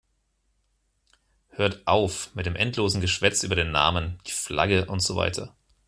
Hört auf mit dem endlosen Geschwätz über den Namen, die Flagge und so weiter.